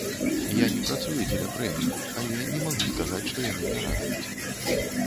Я не працую дзеля прэмій, але не магу сказаць, што яны не радуюць.